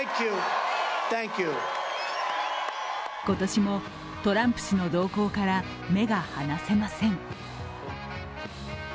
今年もトランプ氏の動向から目が離せません。